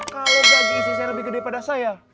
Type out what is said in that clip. kalau gaji istri saya lebih gede pada saya